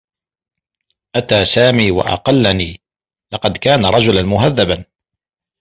أتى سامي و أقلّني. لقد كان رجلا مهذّبا.